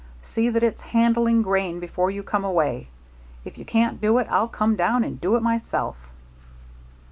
See that it's handling grain before you come away. If you can't do it, I'll come down and do it myself."